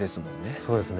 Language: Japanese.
そうですね。